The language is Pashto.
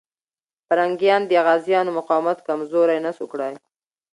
پرنګیان د غازيانو مقاومت کمزوری نسو کړای.